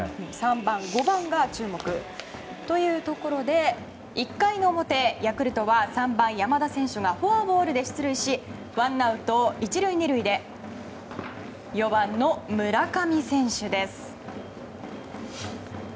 ３番、５番が注目というところで１回の表、ヤクルトは３番、山田選手がフォアボールで出塁しワンアウト１塁２塁で４番の村上選手です。